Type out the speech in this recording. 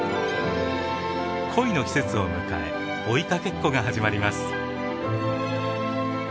恋の季節を迎え追いかけっこが始まります。